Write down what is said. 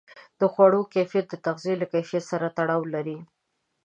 د خوړو کیفیت د تغذیې له کیفیت سره تړاو لري.